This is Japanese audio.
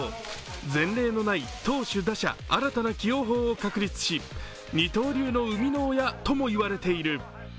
前例のない投手、打者新たな起用法を確立し二刀流の生みの親ともいわれている。